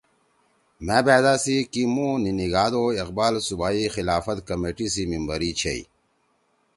مھأ بأدا سی کی مُو نی نیِگھاد او اقبال صوبائی خلافت کمیٹی سی ممبری چھیئی